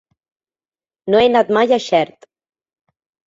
No he anat mai a Xert.